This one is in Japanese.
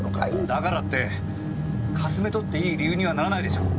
だからって掠め取っていい理由にはならないでしょう！？